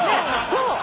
そう！